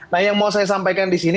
nah yang mau saya sampaikan di sini